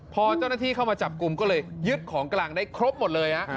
พอเจ้าหน้าที่เข้ามาจับกลุ่มก็เลยยึดของกลางได้ครบหมดเลยฮะ